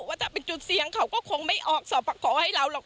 ว่าถ้าเป็นจุดเสี่ยงเขาก็คงไม่ออกสอบประกอบให้เราหรอก